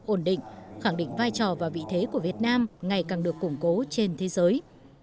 ổn định khẳng định vai trò và vị thế của việt nam ngày càng được củng cố trên thế giới